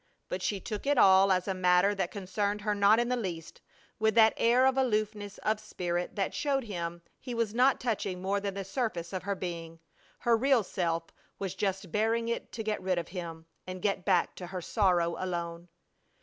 But she took it all as a matter that concerned her not in the least, with that air of aloofness of spirit that showed him he was not touching more than the surface of her being. Her real self was just bearing it to get rid of him and get back to her sorrow alone.